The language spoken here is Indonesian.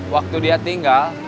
waktu dia tinggal